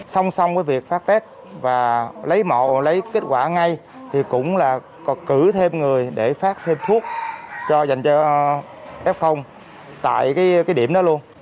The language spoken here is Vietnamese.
song song với việc phát phép và lấy mẫu lấy kết quả ngay thì cũng là cử thêm người để phát thêm thuốc cho dành cho f tại cái điểm đó luôn